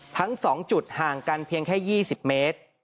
ทั้ง๒จุดห่างกันเพียงแค่๒๐เมตร